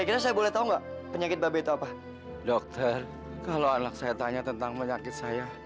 dokter kalau anak saya tanya tentang penyakit saya